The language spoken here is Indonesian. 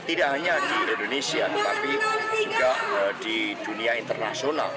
tidak hanya di indonesia tetapi juga di dunia internasional